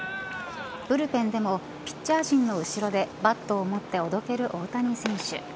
ブルペンでもピッチャー陣の後ろでバットを持っておどける大谷選手。